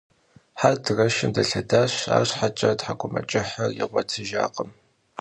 Her dureşşım delhedaş, arşheç'e thek'umeç'ıhır yiğuetıjjakhım.